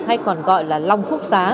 hay còn gọi là long phúc xá